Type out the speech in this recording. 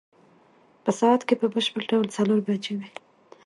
په ساعت کې په بشپړ ډول څلور بجې وې.